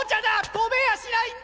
飛べやしないんだ！